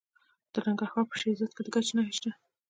د ننګرهار په شیرزاد کې د ګچ نښې شته.